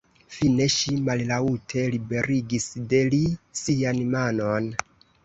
Fine ŝi mallaŭte liberigis de li sian manon.